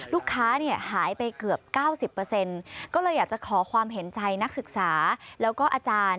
ลูกค้าเนี่ยหายไปเกือบ๙๐ก็เลยอยากจะขอความเห็นใจนักศึกษาแล้วก็อาจารย์